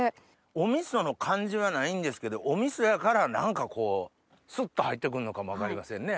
おみその感じはないんですけどおみそやから何かこうスッと入ってくるのかも分かりませんね。